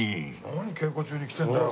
「何稽古中に来てるんだよ」。